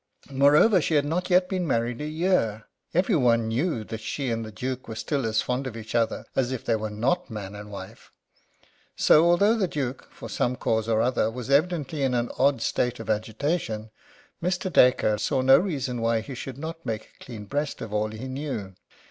Moreover, she had not yet been married a year. Every one knew that she and the Duke were still as fond of each other as if they were not man and wife. So, although the Duke, for some cause or other, was evidently in an odd state of agitation, Mr. Dacre saw no reason why he should not make a clean breast of all he knew.